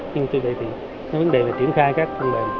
nhưng tuy là vấn đề là triển khai các công đề